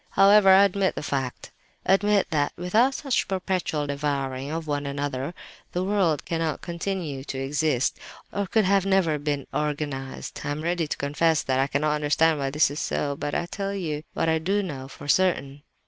"However—admit the fact! Admit that without such perpetual devouring of one another the world cannot continue to exist, or could never have been organized—I am ever ready to confess that I cannot understand why this is so—but I'll tell you what I do know, for certain.